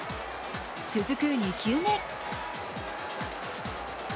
続く２球目。